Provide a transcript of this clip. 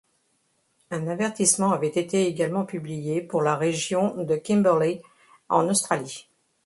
Un avertissement avait été également publié pour la région de Kimberley en Australie.